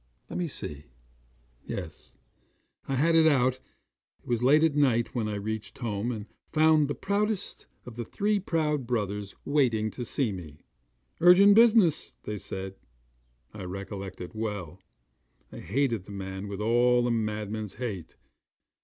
'Let me see: yes, I had been out. It was late at night when I reached home, and found the proudest of the three proud brothers waiting to see me urgent business he said: I recollect it well. I hated that man with all a madman's hate.